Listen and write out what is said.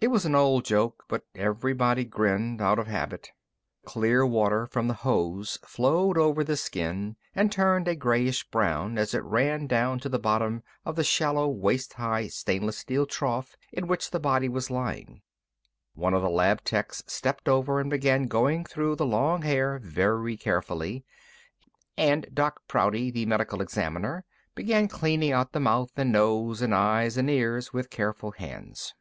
It was an old joke, but everybody grinned out of habit. The clear water from the hose flowed over the skin and turned a grayish brown as it ran down to the bottom of the shallow, waist high stainless steel trough in which the body was lying. One of the lab techs stepped over and began going through the long hair very carefully, and Doc Prouty, the Medical Examiner, began cleaning out the mouth and nose and eyes and ears with careful hands.